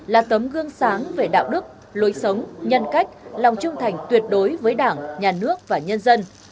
là tấm gương sáng về đạo đức lối sống nhân cách lòng trung thành tuyệt đối với đảng nhà nước và nhân dân